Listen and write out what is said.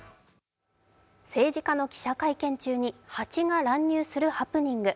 政治家の記者会見中に蜂が乱入するハプニング。